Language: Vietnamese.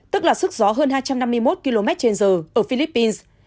tức là sức gió hơn hai trăm năm mươi một km trên giờ ở philippines